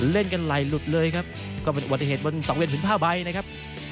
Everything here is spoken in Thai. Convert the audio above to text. เล่นกันไหลหลุดเลยครับก็เป็นวันที่เห็นวันสองเวลหึ่นผ้าใบนะครับ